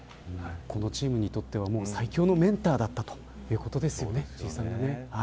このチームにとっては最強のメンターだったということですね。